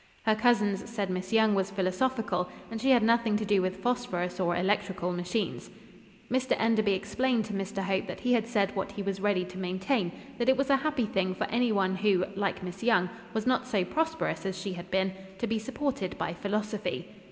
Her cousins said Miss Young was philosophical, and she had nothing to do with phosphorus or electrical machines. Mr Enderby explained to Mr Hope that he had said what he was ready to maintain; that it was a happy thing for any one who, like Miss Young, was not so prosperous as she had been, to be supported by philosophy.